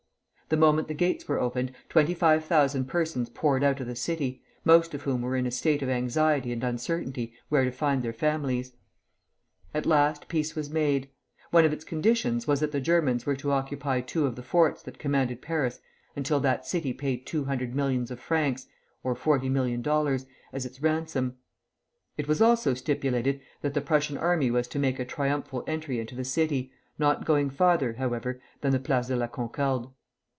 The moment the gates were opened, twenty five thousand persons poured out of the city, most of whom were in a state of anxiety and uncertainty where to find their families. At last peace was made. One of its conditions was that the Germans were to occupy two of the forts that commanded Paris until that city paid two hundred millions of francs ($40,000,000) as its ransom. It was also stipulated that the Prussian army was to make a triumphal entry into the city, not going farther, however, than the Place de la Concorde.